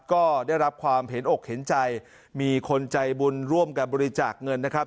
ก็ได้รับความเห็นอกเห็นใจมีคนใจบุญร่วมกันบริจาคเงินนะครับ